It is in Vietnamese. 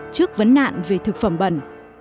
trước vấn nạn về thực phẩm bẩn